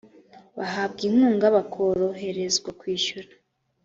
bahabwa inkunga bakoroherezwa kwishyura